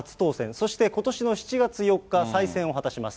そして、ことしの７月４日、再選を果たします。